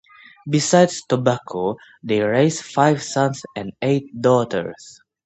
Besides tobacco, they raised five sons and eight daughters.